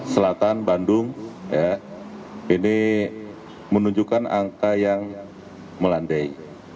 selatan bandung ini menunjukkan angka yang melandai